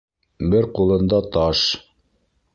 Бер ҡулында таш.